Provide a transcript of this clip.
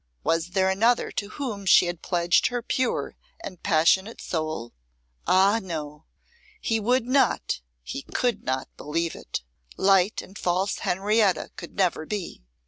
Was there another to whom she had pledged her pure and passionate soul? Ah, no! he would not, he could not believe it. Light and false Henrietta could never be.